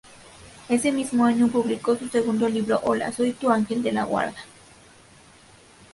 Ese mismo año publicó su segundo libro "Hola soy tu Angel de la Guarda".